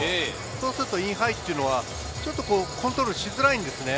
そうするとインハイはコントロールしづらいんですよね。